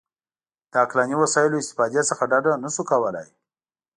د عقلاني وسایلو استفادې څخه ډډه نه شو کولای.